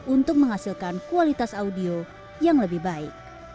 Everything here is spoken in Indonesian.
untuk menghasilkan kualitas audio yang lebih baik